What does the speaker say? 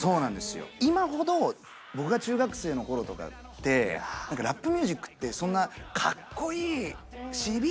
今ほど僕が中学生の頃とかって何かラップ・ミュージックってそんな「かっこいい！しび！」